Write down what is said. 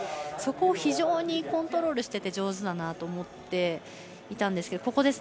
そこを非常にコントロールしてて上手だなと思っていたんですけど。